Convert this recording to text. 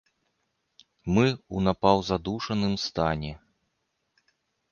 Мы ў напаўзадушаным стане.